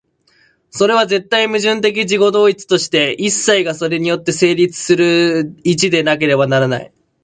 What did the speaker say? それは絶対矛盾的自己同一として、一切がそれによって成立する一でなければならない。